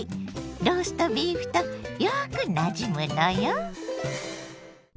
ローストビーフとよくなじむのよ。